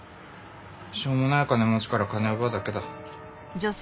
しょうもない金持ちから金奪うだけだ。